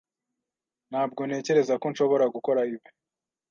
Ntabwo ntekereza ko nshobora gukora ibi.